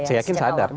saya yakin sadar